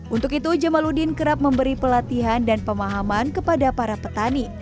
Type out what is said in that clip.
untuk itu jamaludin kerap memberi pelatihan dan pemahaman kepada para petani